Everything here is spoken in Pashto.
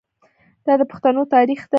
دا د پښتنو تاریخ دی.